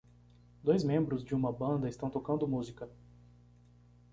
Dois membros de uma banda estão tocando música.